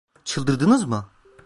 Çıldırdınız mı?